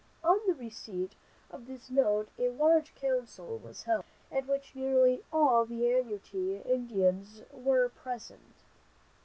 On the receipt of this note a large council was held, at which nearly all the annuity Indians were present.